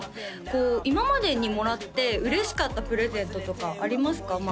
こう今までにもらって嬉しかったプレゼントとかありますか？